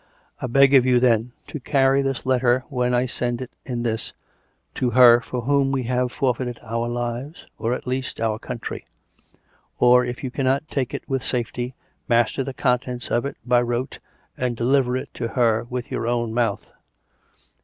I beg of you, then, to carry this letter, which I send in this, to Her for whom we have forfeited our lives, or, at least, our country; or, if you can not take it with safety, master the contents of it by note and deliver it tp her with your own mouth.